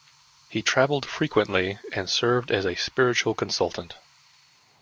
He traveled frequently and served as a spiritual consultant.